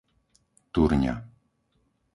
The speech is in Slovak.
Turňa